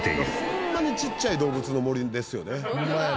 ホンマにちっちゃい『どうぶつの森』ですよね。